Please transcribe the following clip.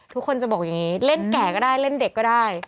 ทุกคนจะบอกอย่างนี้เล่นแก่ก็ได้เล่นเด็กก็ได้